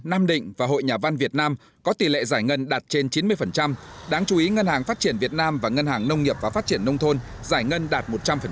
nam định và hội nhà văn việt nam có tỷ lệ giải ngân đạt trên chín mươi đáng chú ý ngân hàng phát triển việt nam và ngân hàng nông nghiệp và phát triển nông thôn giải ngân đạt một trăm linh